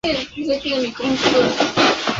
分秒不空过